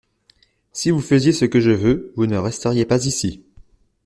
Si vous faisiez ce que je veux, vous ne resteriez pas ici.